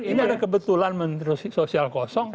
ini ada kebetulan menteri sosial kosong